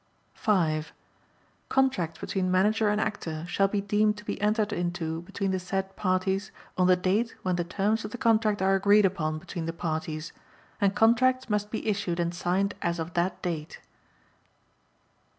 5. Contracts between Manager and Actor shall be deemed to be entered into between the said parties on the date when the terms of the contract are agreed upon between the parties, and contracts must be issued and signed as of that date.